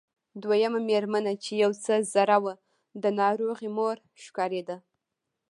دويمه مېرمنه چې يو څه زړه وه د ناروغې مور ښکارېده.